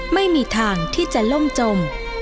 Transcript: ไม่มีทางที่จะล่มจม